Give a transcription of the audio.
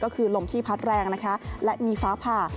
ก็คือลมที่พัดแรงนะคะและมีฟ้าผ่า